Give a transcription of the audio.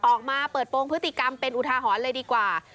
ออกมาเปิดโปรงพฤติกรรมเป็นอุทาหรณ์เลยดีกว่า